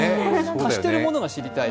足してるものを知りたい。